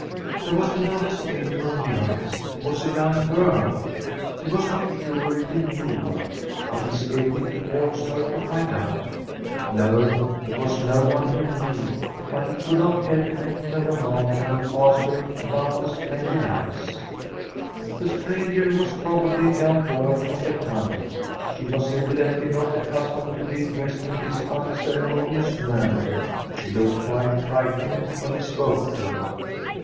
There was another skater on the ice ; it was a young girl. He was not sure if he knew her, but he skated towards her to find out. No ; it was no one he knew, but he could not help making a remark when he passed her about the splendid ice. The stranger was probably a young girl from the town. She was evidently not accustomed to be addressed in this unceremonious manner ; she looked quite frightened when he spoke to her.